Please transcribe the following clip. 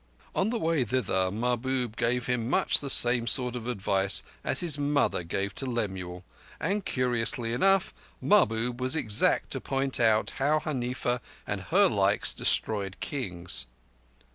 On the way thither, Mahbub gave him much the same sort of advice as his mother gave to Lemuel, and curiously enough, Mahbub was exact to point out how Huneefa and her likes destroyed kings.